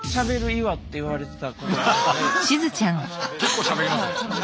私結構しゃべりますね。